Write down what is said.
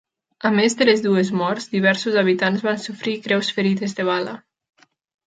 A més de les dues morts, diversos habitants van sofrir greus ferides de bala.